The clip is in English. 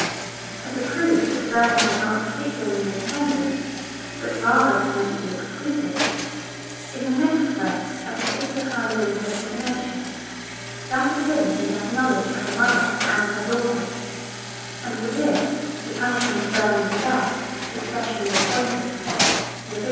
As a proof that burning was not particularly intended, but rather was meant to be excluded, in the next verse a particular kind of incest is mentioned, that of him who has knowledge of a mother and her daughter: and for this the punishment of burning to death is specially appointed (Levit.